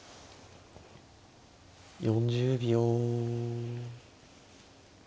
４０秒。